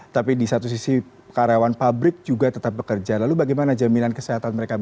tapi di satu sisi karyawan pabrik juga tetap bekerja lalu bagaimana jaminan kesehatan mereka